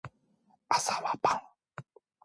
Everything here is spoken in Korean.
나는 파리한 여인에게서 옥수수를 ᅟ샀다.